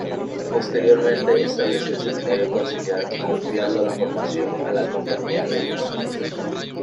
Posteriormente estableció el Seminario Conciliar confiando la formación a la Compañía de Jesús.